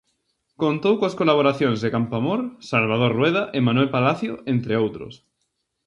Contou coas colaboracións de Campoamor, Salvador Rueda e Manuel Palacio, entre outros.